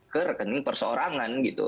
ke rekening perseorangan gitu